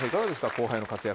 後輩の活躍は。